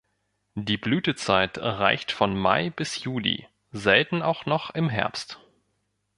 Die Blütezeit reicht von Mai bis Juli, selten auch noch im Herbst.